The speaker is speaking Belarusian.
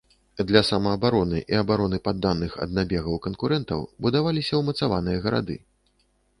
Для самаабароны і абароны падданых ад набегаў канкурэнтаў будаваліся умацаваныя гарады.